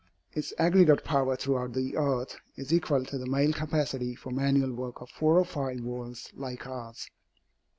Its aggregate power throughout the earth is equal to the male capacity for manual work of four or five worlds like ours.